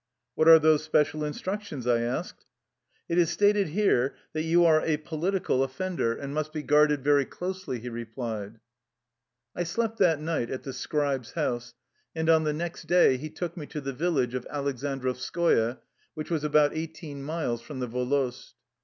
"What are those special instructions?'' I asked. " It is stated here that you are a political of 8 Chief of village police. 99 THE LIFE STOKY OF A EUSSIAN EXILE fender and must be guarded very closely," he re plied. I slept tbat night at the scribe's house, and on the next day he took me to the village of Alek sandrovskoye, which was about eighteen miles from the volost.